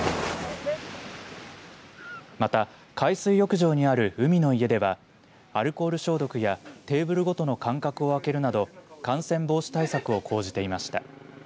また、海水浴場にある海の家ではアルコール消毒やテーブルごとの間隔をあけるなど感染防止対策を講じていました。